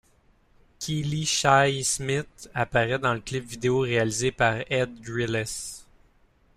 Keely Shaye Smith apparaît dans le clip vidéo réalisé par Edd Griles.